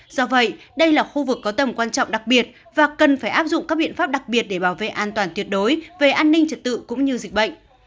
do vậy đây là khu vực có tầm quan trọng đặc biệt và cần phải áp dụng các biện pháp đặc biệt để bảo vệ an toàn tuyệt đối về an ninh trật tự cũng như dịch bệnh